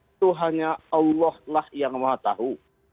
itu hanya allah lah yang maha tahu